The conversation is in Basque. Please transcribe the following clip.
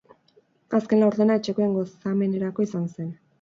Azken laurdena etxekoen gozamenerako izan zen.